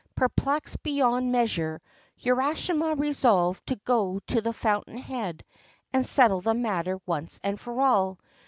Perplexed beyond measure, Urashima resolved to go to the fountain head and settle the matter once and for all.